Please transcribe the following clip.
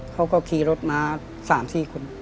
เขาก็ขี่รถมา๓๔คน